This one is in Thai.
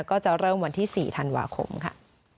ก็จะเริ่มวันที่๔ธันวาคมค่ะ